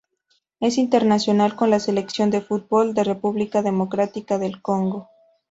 Es internacional con la selección de fútbol de República Democrática del Congo.